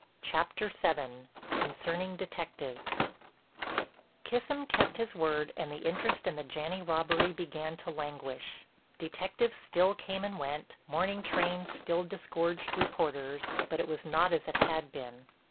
CHAPTER VII—CONCERNING DETECTIVES Kissam kept his word and the interest in the Janney robbery began to languish. Detectives still came and went, morning trains still disgorged reporters, but it was not as it had been.